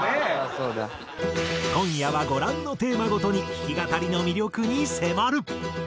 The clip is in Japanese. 今夜はご覧のテーマごとに弾き語りの魅力に迫る。